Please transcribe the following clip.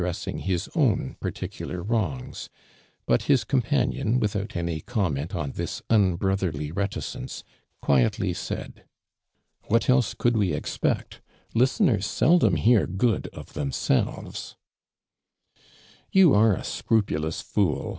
ssing his own particular wrongs, but his companion, without any comment oi. this unbrotiherly reticence, quietly said :•' What lUe couUl we expect*? i^Mtener* seldom hear good of tlieniselvofl" " You are a scrupulous fool